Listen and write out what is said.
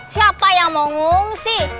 siapa yang mau ngungsi